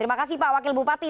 terima kasih pak wakil bupati